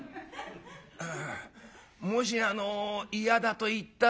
「ああもしあの嫌だと言ったら」。